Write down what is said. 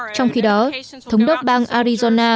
trong khi đó thống đốc bang arizona